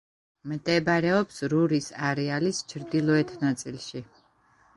მდებარეობს რურის არეალის ჩრდილოეთ ნაწილში.